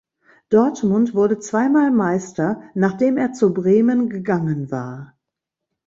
Dortmund wurde zweimal Meister, nachdem er zu Bremen gegangen war.